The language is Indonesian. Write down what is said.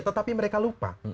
tetapi mereka lupa